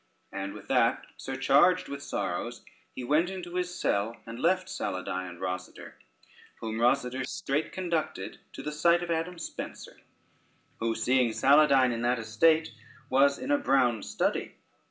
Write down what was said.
And with that, surcharged with sorrows, he went into his cell, and left Saladyne and Rosader, whom Rosader straight conducted to the sight of Adam Spencer, who, seeing Saladyne in that estate, was in a brown study.